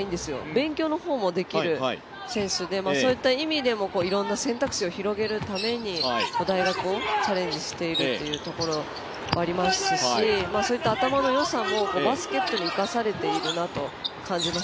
勉強の方もできる選手でそういった意味でもいろんな選択肢を広げるために大学をチャレンジしているっていうところありますしそういった頭の良さもバスケに生かされているなと感じます。